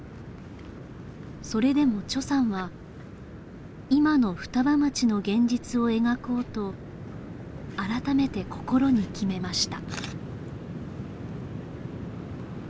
それでもさんは今の双葉町の現実を描こうと改めて心に決めました